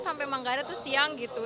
sampai manggarai itu siang gitu